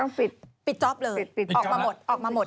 ปิดปิดจ๊อปเลยปิดออกมาหมดออกมาหมด